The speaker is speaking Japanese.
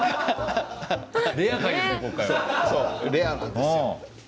レアなんですよ。